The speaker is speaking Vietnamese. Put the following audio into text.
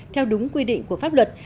theo đúng quy định của pháp luật